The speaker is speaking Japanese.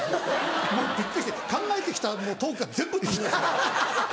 もうびっくりして考えて来たトークが全部飛びましたよ。